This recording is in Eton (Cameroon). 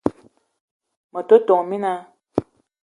Me te , tόn mina